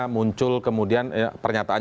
muncul kemudian pernyataan